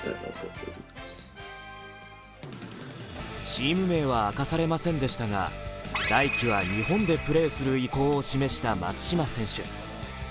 チーム名は明かされませんでしたが、来季は日本でプレーする意向を示した松島選手。